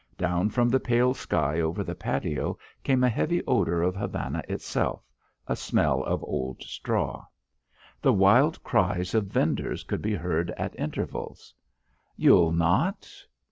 Down from the pale sky over the patio came a heavy odour of Havana itself, a smell of old straw. The wild cries of vendors could be heard at intervals. "You'll not?"